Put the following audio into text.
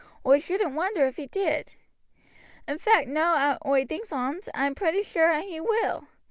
Oi shouldn't wonder if he did, In fact, now oi thinks on't, oi am pretty sure as he will.